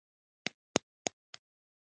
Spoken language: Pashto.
ان په تشنابونو کښې يې اچوي.